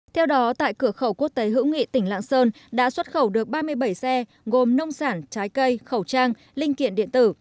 theo đó tại cửa khẩu quốc tế hữu nghị tỉnh lạng sơn đã xuất khẩu được ba mươi bảy xe gồm nông sản trái cây khẩu trang linh kiện điện tử